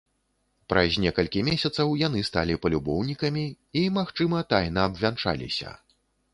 Праз некалькі месяцаў яны сталі палюбоўнікамі і, магчыма, тайна абвянчаліся.